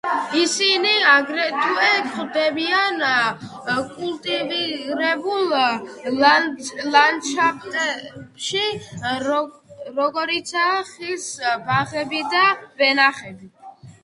ისინი აგრეთვე გვხვდებიან კულტივირებულ ლანდშაფტებში, როგორიცაა ხილის ბაღები და ვენახები.